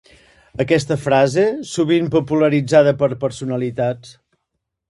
Aquesta frase, sovint popularitzada per personalitats.